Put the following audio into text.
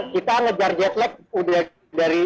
kita ngejar jet lag dari